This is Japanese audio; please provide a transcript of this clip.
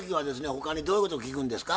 他にどういうこと聞くんですか？